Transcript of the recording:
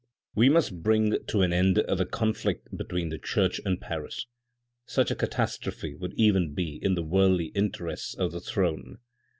" We must bring to an end the conflict between the church and Paris. Such a catastrophe would even be in the worldly interests of the throne.